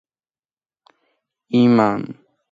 იმამ შამილის ერთ-ერთი ნაიბი.